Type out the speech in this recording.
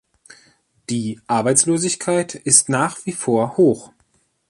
Die Arbeitslosigkeit ist nach wie vor hoch.